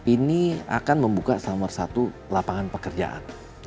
ini akan membuka salah satu lapangan pekerjaan